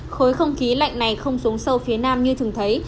khối không khí lạnh này không xuống sâu phía nam như thường thấy